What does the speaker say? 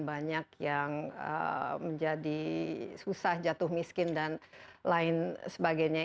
banyak yang menjadi susah jatuh miskin dan lain sebagainya